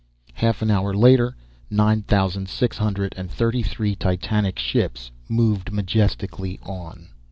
Half an hour later, nine thousand six hundred and thirty three titanic ships moved majestically on.